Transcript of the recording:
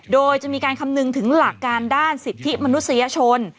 โดยจะมีการคำนึงถึงหลักการด้านสิทธิมนุษยชน